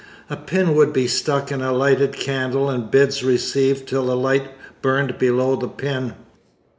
A pin would be stuck in a lighted candle and bids received till the light burnt below the pin.